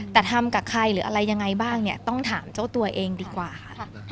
แต่ทำกับใครหรืออะไรยังไงบ้างเนี่ยต้องถามเจ้าตัวเองดีกว่าค่ะ